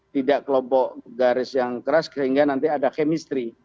tidak kelompok garis yang keras sehingga nanti ada chemistry